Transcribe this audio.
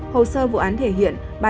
hồ sơ vụ án thể hiện